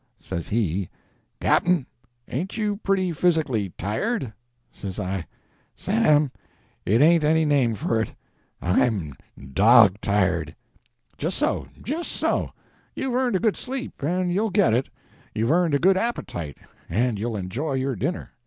Says he— "Cap'n, ain't you pretty physically tired?" Says I— "Sam, it ain't any name for it! I'm dog tired." "Just so—just so. You've earned a good sleep, and you'll get it. You've earned a good appetite, and you'll enjoy your dinner.